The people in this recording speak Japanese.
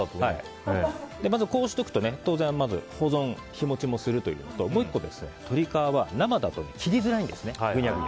こうしておくと当然保存、日持ちもするというのともう１個、鶏皮は生だと切りづらいんですね。